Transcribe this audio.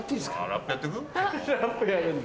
ラップやるんだ。